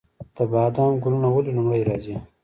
د بادام ګلونه ولې لومړی راځي؟